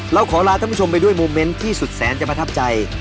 เราขอลาท่านผู้ชมไปด้วยโมเมนต์ที่สุดแสนจะประทับใจ